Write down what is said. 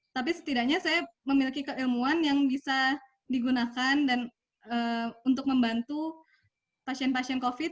tapi setidaknya saya memiliki keilmuan yang bisa digunakan dan untuk membantu pasien pasien covid